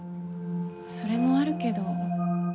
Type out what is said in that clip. それもあるけど。